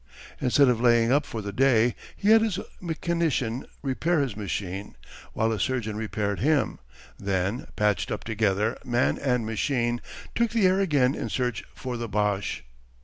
Instead of laying up for the day he had his mechanician repair his machine while a surgeon repaired him, then, patched up together, man and machine took the air again in search for the Boches.